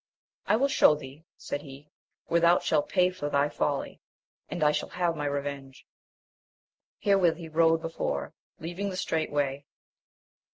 I will shew thee, said he, where thou shalt pay for thy folly, and I shall have my revenge. Herewith he rode before, leaving the straight way.